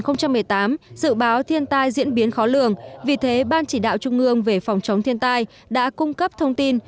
năm hai nghìn một mươi tám dự báo thiên tai diễn biến khó lường vì thế ban chỉ đạo trung ương về phòng chống thiên tai đã cung cấp thông tin